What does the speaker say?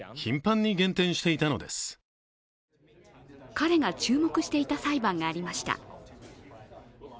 彼が注目していた裁判がありました。